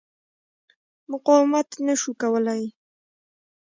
مقاومت نه شو کولای.